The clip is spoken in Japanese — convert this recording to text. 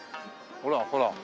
ほらほら。